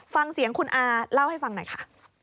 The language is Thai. ฟังเสียงคุณอาเล่าให้ฟังหน่อยค่ะ